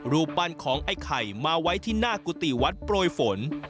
รูปปั้นของไอ้ไข่มาไว้ที่หน้ากุฏิวัดโปรยฝน